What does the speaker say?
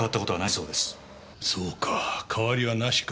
そうか変わりはなしか。